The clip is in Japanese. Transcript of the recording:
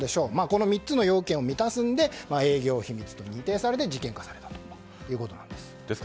この３つの要件を満たすので営業秘密と認定されて事件化されたということです。